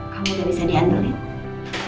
kamu ga bisa diandalkin